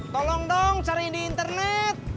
tolong dong cari di internet